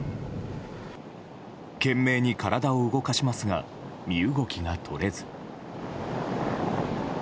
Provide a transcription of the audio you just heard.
懸命に体を動かしますが身動きが取れず。